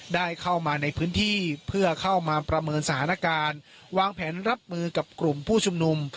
ได้เข้ามาในพื้นที่เพื่อเข้ามาประเมินสถานการณ์วางแผนรับมือกับกลุ่มผู้ชุมนุม